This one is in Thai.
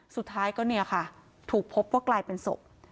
สุดท้ายก็เนี่ยค่ะถูกพบว่ากลายเป็นศพ